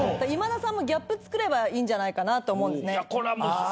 今田さんもギャップつくればいいんじゃないかなと思うんです。